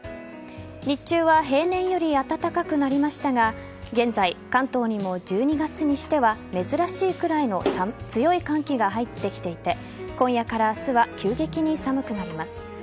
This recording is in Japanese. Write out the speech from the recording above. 日中は平年より暖かくなりましたが現在、関東にも１２月にしては珍しいくらいの強い寒気が入ってきていて今夜から明日は急激に寒くなります。